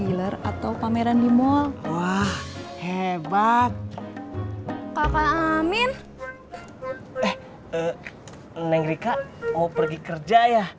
eee neng rika mau pergi kerja ya